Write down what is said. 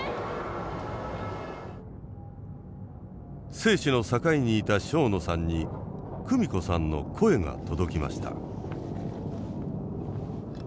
生死の境にいた庄野さんに久美子さんの声が届きました。